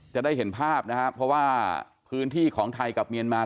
จะได้เห็นภาพนะครับเพราะว่าพื้นที่ของไทยกับเมียนมา